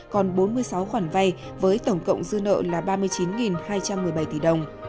còn bốn mươi sáu khoản vay với tổng cộng dư nợ là ba mươi chín hai trăm một mươi bảy tỷ đồng